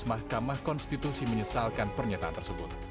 mahkamah konstitusi menyesalkan pernyataan tersebut